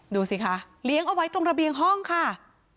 ดูสิคะเลี้ยงเอาไว้ตรงระเบียงห้องค่ะ